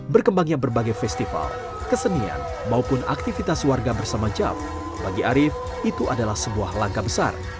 berkembangnya berbagai festival kesenian maupun aktivitas warga bersama jav bagi arief itu adalah sebuah langkah besar